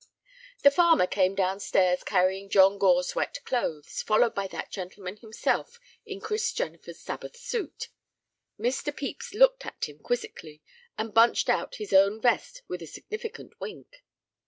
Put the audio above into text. The farmer came down stairs carrying John Gore's wet clothes, followed by that gentleman himself in Chris Jennifer's Sabbath suit. Mr. Pepys looked at him quizzically, and bunched out his own vest with a significant wink.